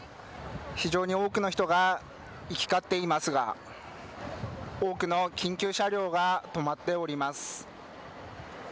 非常に多くの人が行き交っていますが多くの緊急車両が止まっております。